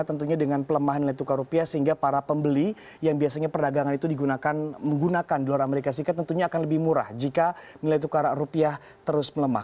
tentunya dengan pelemahan nilai tukar rupiah sehingga para pembeli yang biasanya perdagangan itu digunakan menggunakan dolar amerika serikat tentunya akan lebih murah jika nilai tukar rupiah terus melemah